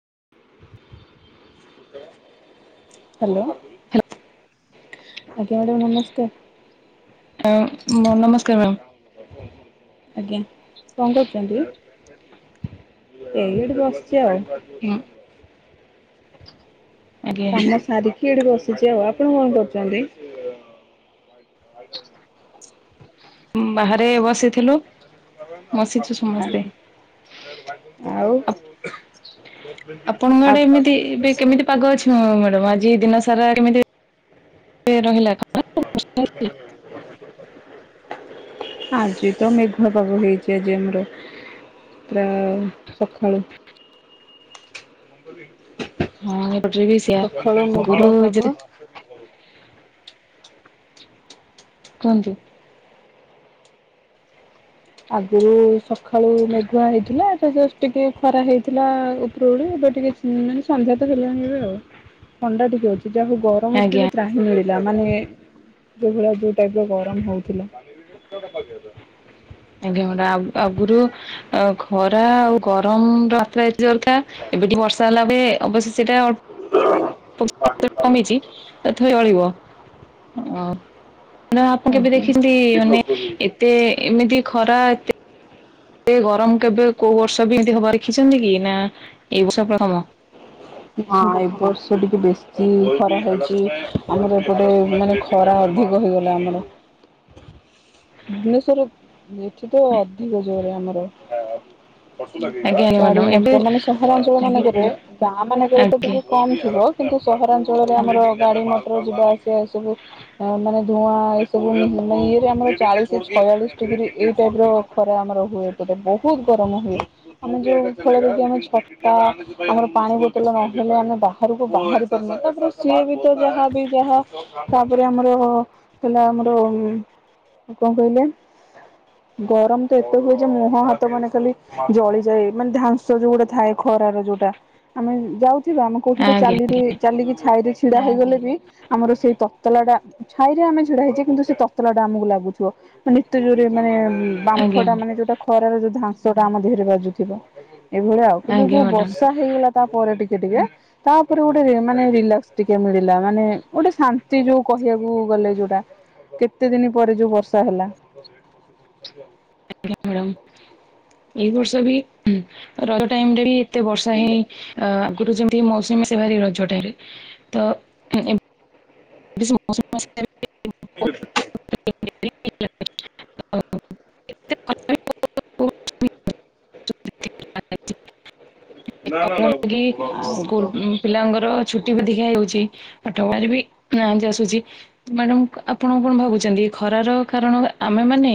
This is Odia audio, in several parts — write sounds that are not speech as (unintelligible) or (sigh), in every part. (inaudible) ହ୍ୟାଲୋ। ଆଜ୍ଞା ମ୍ୟାଡାମ ନମସ୍କାର। ଆ ନମସ୍କାର ମ୍ୟାମ୍। ଆଜ୍ଞା କଣ କରୁଛନ୍ତି? ଏଇ ଏଠି ବ ଆଉ। ମ୍ୟାମ୍। ଆଜ୍ଞା କାମ ସାରିକି ଏଇଠି ବସିଛି ଆଉ ।ଆପଣ କରୁଛନ୍ତି କରୁଛନ୍ତି? ବାହାରେ ବସିଥିଲୁ ବସିଛୁ ସମସ୍ତେ। ଆଉ? ଆପଣଙ୍କ ଆ ଆଡେ ଏମିତି ଏବେ କେମିତି ପାଗ ଅଛି? ହଁ ମ୍ୟାଡ଼ାମ ଆଜି ଦିନ ସାରା କେମିତି ରହିଲା। (unintelligible) ଆଜି ତ ମେଘୁଆ ପାଗ ହେଇଛି ଆଜି ଆମର। (unintelligible) ସକାଳୁ। ହଁ। ଠି ବି ସେଆ ସକାଳୁ ଆ ମେଘୁଆ ଗୁରୁ ପାଗ କୁହନ୍ତୁ? ଆଗୁରୁ ସକାଳୁ ମେଘୁଆ ହେଇଥିଲା ଏବେ ଜଷ୍ଟ୍ ଟିକେ ଖରା ହେଇଥିଲା ଉପର ଓଳି ଏବେ ଟିକେ ମାନେ ସନ୍ଧ୍ୟା ତ ହେଲାଣି ଏବେ ଆଉ ଥଣ୍ଡା ଟିକେ ଅଛି। ଯାହାହଉ ଗରମ ଉପରେ ଆଜ୍ଞା ବି ତ୍ରାହିଁ ମିଳିଲା ମାନେ ଯୋଉ ଭଳିଆ ଯୋଉ ଟାଇପ ର ଗରମ ହଉଥିଲା ଆଜ୍ଞା ଆଗରୁ ଖରା ଆଉ ଗରମ ମାତ୍ରା ଜୋରଥାଏ ଏବେ ଟିକେ ବର୍ଷା ହେଲା ଅବଶ୍ୟ ସେଟା କ-ମି-ଛି ତଥାଇ ଚଳିବ ଆ ନ ଆପଣ କେବେ ଆଜ୍ଞା। ଦେଖିଛନ୍ତି ଏତେ ଏମିତି ଖରା ଏତେ ଏ ଗରମ କେବେ କୋଉ ବର୍ଷ ବି ଏମିତି ହବାର ଦେଖିଛନ୍ତି କି ନା ଏଇ ବର୍ଷ ପ୍ରଥମ? ଏ ବର୍ଷ ଟିକେ ବେଶୀ ଖରା ହେଉଛି ଆମର ଏପଟେ ମାନେ ଖରା ଅଧିକ ହେଇଗଲା ଆମର। ଭୁବନେଶ୍ୱର ଏଠି ତ ଅଧିକ ଜୋର ଆମର ଆଜ୍ଞା ଆଜ୍ଞା ଗାଡି ମ୍ୟାଡ଼ାମ ଏବେ ମଟର ମାନେ ସହରାଞ୍ଚଳ ମାନଙ୍କରେ ଗାଁ ମାନଙ୍କରେ ତ ଆଜ୍ଞା ଟିକେ କମ ଥିବ କିନ୍ତୁ ସହରାଞ୍ଚଳରେ ଆମର ଗାଡି ମଟର ରୋଜିବାର। ସେ ସବୁ ଅ ମାନେ ଧୁଆ। ୁ ଇଏରେ ଆମର ଚାଳିଶ ବୟାଳିଶ ଡିଗ୍ରୀ େବ୍ର ଖରା ଆମର ହୁଏ। ଗଟେ ବହୁତ ଗରମ ହୁଏ। ଆମେ ଯୋଉ ଫଳରେ ଯଦି ଆମେ ଛତା ଆମର ପାଣି ବୋତଲ ନହେଲେ ଆମେ ବାହାରକୁ ବାହାରି ପାରୁନ ତାପରେ ସିଏ ବି ତ ଯାହା ବି ଯାହା ତାପରେ ଆମର ହେଲା। ଆମର କଣ କହିଲେ? (inaudible) ଗରମ ତ ଏତେ ହୁଏ, ଯେ ମୁହଁ ହାତ ମାନେ ଖାଲି ଜଳିଯାଏ। ମାନେ ଧାଂସ ଯୋଉ ଗୋଟା ଥାଏ। ଖରାର ଯୋଉଟା ଆମେ ଯାଉ ଯିବା ଆମେ କୋଉଠିୋଟେ ଆଜ୍ଞା ଚାଲିରେ ଚାଲିକି ାଇ ଦେଇ। ଛିଡା ହେଇଗଲେ ବି ଆମର ସେଇ ତତଲା ଟା ଛାଇରେ ଆମେ ଛିଡା ହେଇଛେ। କିନ୍ତୁ ସେ ତତଲା ଟା ଆମକୁ ଲାଗୁଛି। ମାନେ ନିତ୍ୟ ଜୋରେ ମାନେ ଆଜ୍ଞା ବାମ୍ଫଟା ମାନେ ଯୋଉଟା ଖରାରେ ଯୋଉ ଧାସ। ଯୋଉଟା ଆମ ଦେହରେ ବାଜୁଥିବ (inaudible) ଏଇଭଳିଆ ଆଉ କିନ୍ତୁ ଆଜ୍ଞା ଯୋଉ ମ୍ୟାଡ଼ାମ ବର୍ଷା ହେଇଗଲା। ତାପରେ ଟିକେ ଟିକେ ତାପରେ ଗୋଟେ ମାନେ ରିଲାକ୍ସ ଟିକେ ମିଳିଲା। ମାନେ ଗୋଟେ ଶାନ୍ତି ଯୋଉ କହିବାକୁ ଗଲେ ଯୋଉଟା। କେତେ ଦିନ ପରେ ଯୋଉ ବର୍ଷ ସହଲା (inaudible) (inaudible) ଏଇ ବର୍ଷ ବି ର ଟାଇ ବି। ଏତେ ବର୍ଷା ହେଇଁ ଆଗରୁ। ଏେ ମୌସୁମୀ ସେ ଭାର ରଜ ଟାଇରେ ତ (inaudible) (inaudible) (inaudible) ାଗ ଆଉ ସ୍କୁଲ ପିଲାଙ୍କର ଛୁଟି ବି ଦେଖା ହେଉଛି। ପଠୁବାର ବି। ନା, ଆସୁଛି ମ୍ୟାଡାମ ଆପଣ କଣ ଭାବୁଛନ୍ତି? ଖରାର କାରଣ ଆମେ ମାନେ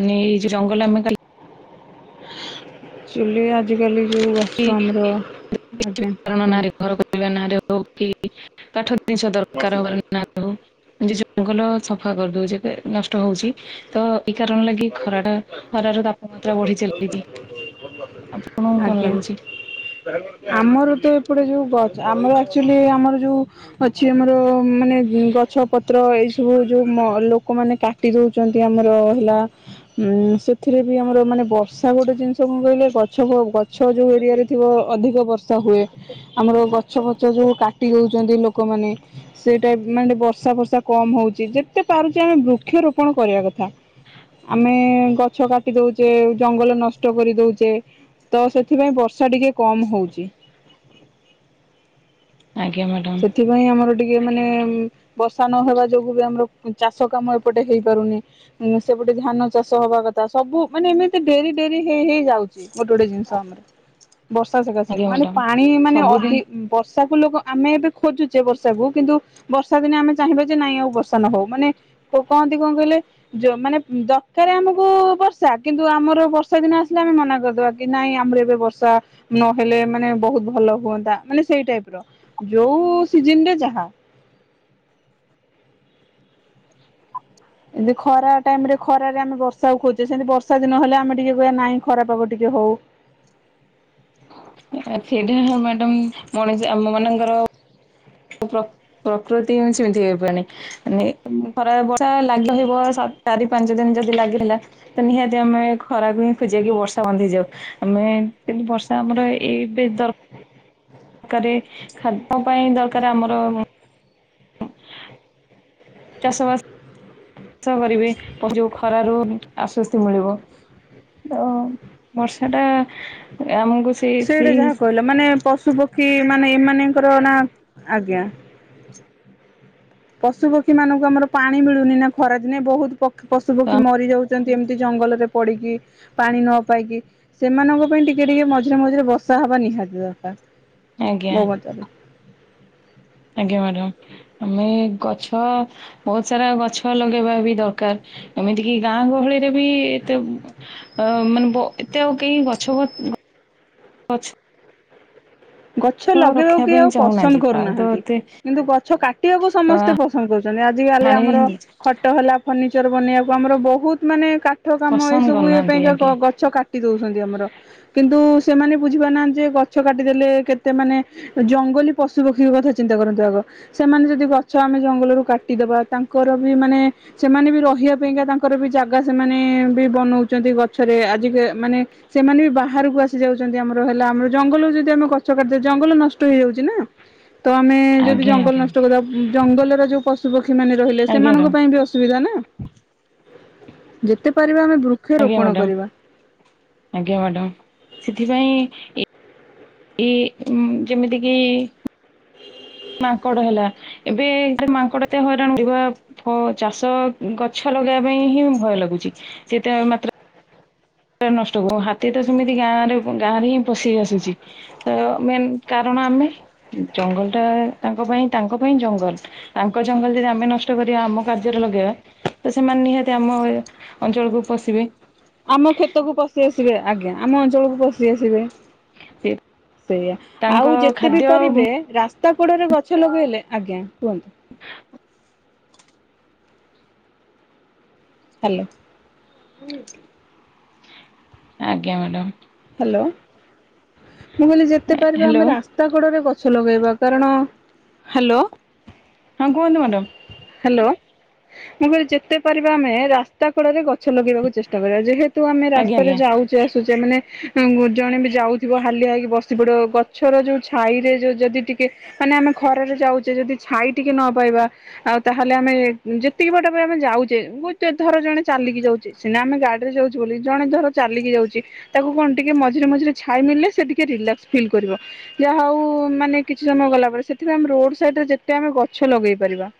ମାନେଇ ରଙ୍ଗ ଲ ଆେ (inaudible) ଚୁଲିୀ ଆଜ କାଲି ର ଆଛ ଆମର ଆଜ୍ଞା କାରଣ ନାରୀ କୁହନ୍ତୁ। ଘର କରିବା। ଆ (unintelligible) ପାଠ। ଜିନିଷ ଦରକାର ହବ । ଯେ ଜଙ୍ଗଲ ସଫା କରିଦଉଚେ ନଷ୍ଟ ହଉଛି ତ ଏଇ କାରଣ ଲାଗି ଖରାଟା ଖରାର ତାପମାତ୍ରା ବଢି ଚାଲିଛି ଆପଣଙ୍କୁ କଣ ଲାଗୁଛି? ଆଜ୍ଞା। ଆମର ତ ଏପଟେ ଯୋଉ ଗଛ ଆମର ଆକ୍ଚୁଲି ଆମର ଯୋଉ ଅଛି ଆମର ମାନେ ଗଛ ପତ୍ର ଏଇ ସବୁ ଯୋଉ ଲୋକମାନେ କାଟି ଦେଉଛନ୍ତି ଆମର ହେଲା। ଉଁ ସେଥିରେ ବି ଆମର ମାନେ ବର୍ଷ ସା ଗୋଟେ ଜିନିଷ କହିଲେ । ଗଛ ଗଛ ଯୋଉ ଏରିଆରେ ଥିବ ଅଧିକ ବର୍ଷା ହୁଏ। ଆମର ଗଛ ଫଛ ଯୋଉ କାଟି ଦଉଛନ୍ତି। ଲୋକମାନେ ସେଟା ମାନେ ବର୍ଷା ଫର୍ଷା କମ ହଉଛି। ଯେତେ ପାରୁଛି ଆମେ ବୃକ୍ଷରୋପଣ କରିବା କଥା। ଆମେ ଗଛ କାଟି ଦଉଛେ ଜଙ୍ଗଲ ନଷ୍ଟ କରି ଦଉଛେ ତ ସେଥିପାଇଁ ବର୍ଷା ଟିକେ କମ ହଉଛି । ଆଜ୍ଞା ମ୍ୟାଡାମ ସେଥିପାଇଁ ଆମର ଟିକେ । ମାନେ ବର୍ଷା ନହବା ଯୋଗୁ ବି ଆମର ଚାଷ କାମ ଏପଟେ ହେଇପାରୁନି ସେପଟେ ଧାନ ଚାଷ ହବା କଥା ସବୁ ମାନେ ଏମିତି ଡେରି ଡେରି ହେଇ ହେଇଯାଉଛି ଗୋଟେ ଗୋଟେ ଜିନିଷ ଆମର । ବର୍ଷା ସକାଶେ ଆଜ୍ଞା ମାନେ ମ୍ୟାଡାମ ପାଣି ମାନେ ସବୁଦିନ ଅଧି ବର୍ଷାକୁ ଲୋକ । ଆମେ ଏବେ ଖୋଜୁଛେ ବର୍ଷାକୁ କିନ୍ତୁ ବର୍ଷା ଦିନେ ଆମେ ଚାହିଁବା ଯେ ନାଇଁ ଆଉ ବର୍ଷା ନହଉ ମାନେ କହନ୍ତି କଣ କହିଲେ ମାନେ ଦରକାର ଆମକୁ ବର୍ଷା କିନ୍ତୁ ଆମର ବର୍ଷା ଦିନ ଆସିଲେ ଆମେ ମନା କରିଦବା କି ନାଇଁ ଆମର ଏବେ ବର୍ଷା ନହେଲେ ମାନେ ବହୁତ ଭଲ ହୁଅନ୍ତା ମାନେ ସେଇ ଟାଇପ ର । ଯଉ ସିଜିନ୍ ରେ ଯାହା । ଏବେ ଖରା ଟାଇମ ରେ ଖରାରେ ଆମେ ବର୍ଷାକୁ ଖୋଜଛେ ସେମିତି ବର୍ଷା ଦିନ ହେଲେ ଆମେ ଟିକେ କହିବା ନଇଁ ଖରାପାଗ ଟିକେ ହଉ । ସେଇଟା ମ୍ୟାଡମ ମଣିଷ ଆମ ମାନଙ୍କର । ପ୍ର ପ୍ରକୃତି ହିଁ ସେମିତି ହେଇପରି ଖରା ବର୍ଷା ଲାଗି ଥିବ ଚାରି ପାଞ୍ଚ ଦିନ ଯଦି ଲାଗିଥିଲା ତ ନିହାତି ଆମେ ଖରାକୁ ହିଁ ଖୋଜି ବା କି ବର୍ଷା ବନ୍ଧ ହେଇଯାଉ ଆମେ କିନ୍ତୁ ବର୍ଷା ଆମର ଏଇବେ ଦର କରେ ଖାଦ୍ୟ ପାଇଁ ଦରକାର ଆମର । ଚାଷ ବାସ କରିବେ ଯଉ ଖରାରୁ ଆଶ୍ୱସ୍ତି ମିଳିବ ତ ବର୍ଷା ଟା ଆମକୁ। ସେଇ ସେଇଟା ସେଇ ଯାହା କହିଲ ମାନେ ପଶୁ ପଖୀ ଖୀ ମାନେ ଏମାନଙ୍କର ନା ଆଜ୍ଞା । ପଶୁ ପକ୍ଷୀ ମାନଙ୍କୁ ଆମର ପାଣି ମିଳୁନି ନା ଖରଅଦିନେ ବହୁତ ପଖ ପଶୁ ପକ୍ଷୀ ମରିଯାଉ ଚନ୍ତି ଏମିତି ଜଙ୍ଗଲରେ ପଡିକି ପାଣି ନ ପାଇକି ସେମାନଙ୍କ ପାଇଁ ଟିକେ ଟିକେ ମଝିରେ ମଝିରେ ବର୍ଷା ହବା ନିହାତି ଦରକାର । ଆଜ୍ଞା। ମୋ ମତ ରେ । ଆଜ୍ଞା ମ୍ୟାଡାମ ଆମେ । ଗଛ ବହୁତ ସାରା ଗଛ ଲଗେଇବା ବି ଦରକାର ଏମିତି କି ଗାଁ ଗହଳି । ରେ ବି ଏତେ ମାନେ ବ ଏତେ ଆଉ କେହି ଗଛ ପ ଗଛ । ଗଛ ଲଗେଇବାକୁ କେଇ ପାଇଁ ଆଉ ପସନ୍ଦ ଚାହୁଁନାହାନ୍ତି ପ୍ରାୟତଃ କରୁନାହାନ୍ତି ଏତେ କିନ୍ତୁ ଗଛ କାଟିବାକୁ ସମସ୍ତେ ପସନ୍ଦ କରୁଛନ୍ତି ଆଜି କାଲି ଆମର ହାଣି ଖଟ ହେଲା ଫର୍ଣିିଚର ବନେଇବାକୁ ଆମର ବହୁତ ମାନେ କାଠ କାମ ଏ ପସନ୍ଦ ସବୁ ଇଏ କରୁନାହାନ୍ତି ପାଇଁକା ଆଜ୍ଞା ଗଛ କାଟି ଦଉଛ ଆମର କିନ୍ତୁ ସେମାନେ ବୁଝପାର ନାହାନ୍ତି ଯେ ଗଛ କାଟିଦେଲେ । କେତେ ମାନେ ଜଙ୍ଗଲୀ ପଶୁ ପକ୍ଷୀଙ୍କ କଥା ଚିନ୍ତା କରନ୍ତୁ ଆଗ ସେମାନେ ଯଦି ଗଛ ଆମେ ଜଙ୍ଗଲରୁୁ କାଟିଦବା ତାଙ୍କର ବି ମାନେ ସେମାନେ ବି ରହିବା ପାଇଁକା ତାଙ୍କର ବି ଜାଗା ସେମାନେ ବି ବନଉଛନ୍ତି ଗଛରେ ଆଜି ମାନେ ସେମାନେ ବି ବାହାରକୁ ଆସି ଯାଉଛନ୍ତି ଆମର ହେଲା ଆମର ଜଙ୍ଗଲରୁ ଯଦି ଆମେ ଗ ଛ କାଟି ଦଉଚେ ଜଙ୍ଗଲ ନଷ୍ଟ ହେଇଯାଉଛି ନା । ତ ଆମେ ଯଦି ଆଜ୍ଞା ଜଙ୍ଗଲ ଆଜ୍ଞା ନଷ୍ଟ କରିବା ଜଙ୍ଗଲର ଯୋଉ ପଶୁପକ୍ଷୀ ମାନେ ରହିଲେ ଆଜ୍ଞା ସେମାନଙ୍କ ମ୍ୟାଡ଼ାମ ପାଇଁ ବି ଅସୁବିଧା ନା । ଯେତେ ପା ଆଜ୍ଞା ମାଡ଼ାମ ଆଜ୍ଞା ମାଡ଼ାମ ସେଥିପାଇଁ ଏଇ ଉଁ ଯେମିତି କିି (inaudible) ମାଙ୍କଡ଼ ହେଲା ଏବେ ମାଙ୍କଡ଼ ଏତେ ହଇରାଣ କରିବା ଫ ଚାଷ ଗଛ ଲଗେଇବା ପାଇଁ ହିଁ ଭୟ ଲାଗୁଛି ସେତେ ମାତ୍ର ନଷ୍ଟ (unintelligible) ହାତୀ ତ ସେମିତି ଗାଁରେ ଗାଁରେ ହିଁ ପଶି ଆସୁଛି ତ ମେନ୍ କାରଣ ଆମେ ଜଙ୍ଗଲଟା ତାଙ୍କ ପାଇଁ ତାଙ୍କ ପାଇଁ ଜଙ୍ଗଲ ତାଙ୍କ ଜଙ୍ଗଲ ଯଦି ଆମେ ନଷ୍ଟ କରିବା ଆମ କାର୍ଯ୍ୟରେ ଲଗେଇବା ତ ସେମାନେ ନିହାତି ଆମ ଅଞ୍ଚଳକୁ ପଶିବେ ଆମ କ୍ଷେତକୁ ପଶି ଆସିବେ ଆଜ୍ଞା ଆମ ଅଞ୍ଚଳକୁ ପସି ଆସିବେ ସେଇଆ ତାଙ୍କ ଆଉ ଯେତେ ବି ଖାଦ୍ୟ ପାରିବେ ରା ରାସ୍ତା କଡରେ ଗଛ ଲଗେଇଲେ ଆଜ୍ଞା କୁହନ୍ତୁ (inaudible) ହାଲୋ ଆଜ୍ଞା ମ୍ୟାଡାମ ହ୍ୟାଲୋ ମୁଁ କହିଲି ଯେତେ ପାରିବା ହ୍ୟାଲୋ ଆମେ ରାସ୍ତାକଡରେ ଗ (unintelligible) ଲଗାଇବା କାରଣ ହ୍ୟାଲୋ ହଁ କୁହନ୍ତୁ ମାଡାମ୍ ହ୍ୟାଲୋ ମୁଁ କହିଲି ଯେତେ ପାରିବା ଆମେ ରାସ୍ତା କଡରେ ଗ ଗଛ ଲଗେଇବାକୁ ଚେଷ୍ଟା କରିବା ଯେହେତୁ ଆମେ ଆଜ୍ଞା ରାସ୍ତାରେ ଆଜ୍ଞା ଯାଉଛେ ଆସୁଛେ ମାନେ ଜଣେ ବି ଯାଉଥିବ ହାଲିଆ ହେଇକି ବସି ପଡିବ ଗଛର ଯୋଉ ଛାଇରେ ଯୋଉ ଯଦି ଟିକେ ମାନେ ଆମେ ଖରାରେ ଯାଉଛେ ଯଦି ଛାଇ ଟିକେ ନ ପାଇବା ଆଉ ତାହେଲେ ଆମେ ଯେତିକି ବାଟ ପାଇଁ ଆମେ ଯାଉଛେ ଗୋଟେ ଧର ଜଣେ ଚାଲିକି ଯାଉଛି ସିନା ଆମେ ଗାଡିରେ ଯାଉଛେ ବୋଲି ଜଣେ ଧର ଚାଲିକି ଯାଉଛି ତାକୁ କଣ ଟିକେ ମଝିରେ ମଝିରେ ଛାଇ ମିଳିଲେ ସେ ଟିକେ ରିଲାକ୍ସ ଫିଲ୍ କରିବ ଯାହା ହଉ ମାନେ କିଛି ସମୟ ଗଲା ପରେ ସେଥିପାଇଁ ଆମେ ରୋଡ ସାଇଡରେ ଯେତେ ଆମେ ଗଛ ଲଗେଇ ପାରିବା।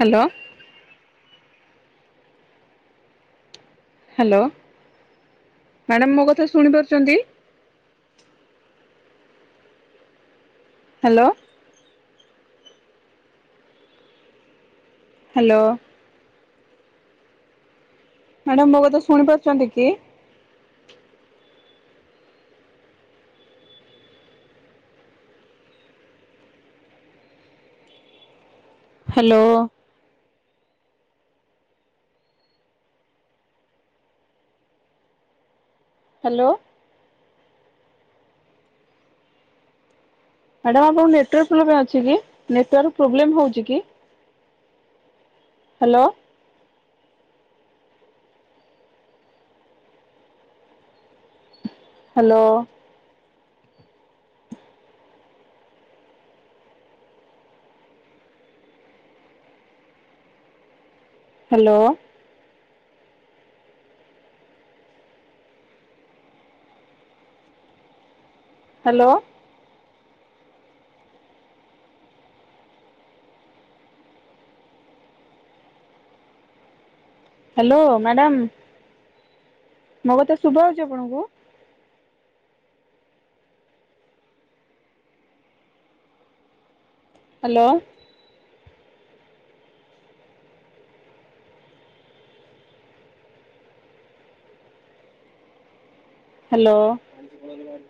ହ୍ୟାଲୋ ହ୍ୟାଲୋ ମ୍ୟାଡ଼ାମ ମୋ କଥା ଶୁଣିପାରୁଛନ୍ତି ହ୍ୟାଲୋ ହ୍ୟାଲୋ ମ୍ୟାଡାାମ ମୋ କଥା ଶୁଣି ପାରୁଛନ୍ତି କି? ହ୍ୟାଲୋ ହ୍ୟାଲୋ ମ୍ୟାଡାମ୍ ଆପଣଙ୍କ ନେଟୱର୍କ ପ୍ରୋବଲେମ ଅଛି କି ନେଟୱର୍କ ପ୍ରୋବ୍ଲେମ ହଉଛି କି? Hello hello hello hello hello madam ମୋ କଥା ଶୁଭା ହୋଉଛି ଆପଣଙ୍କୁ? Hello hello (inaudible)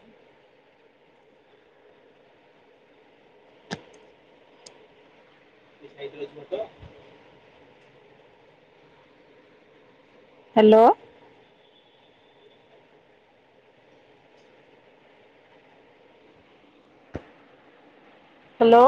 hello hello